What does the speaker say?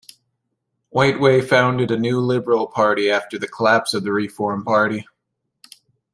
Whiteway founded a new Liberal Party after the collapse of the Reform Party.